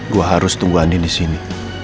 gue harus tunggu andin disini